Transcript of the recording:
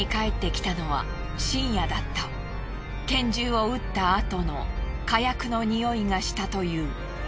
拳銃を撃ったあとの火薬のにおいがしたという。